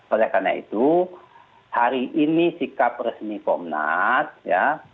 oleh karena itu hari ini sikap resmi komnas ya